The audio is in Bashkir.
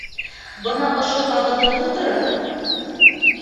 Бына ошо ҡағыҙҙы тултырығыҙ.